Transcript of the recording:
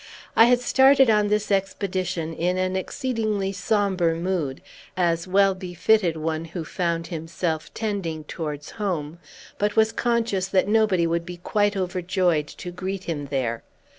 I had started on this expedition in an exceedingly sombre mood, as well befitted one who found himself tending towards home, but was conscious that nobody would be quite overjoyed to greet him there.